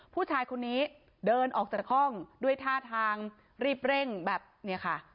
ผู้ชายคนนี้เดินออกจากห้องด้วยท่าทางรีบเร่งแบบเนี่ยค่ะ